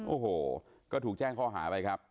โอ้โหก็ถูกแจ้งข้อหาไปครับ